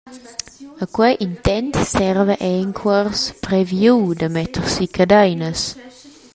A quei intent serva era in cuors previu da metter si cadeinas.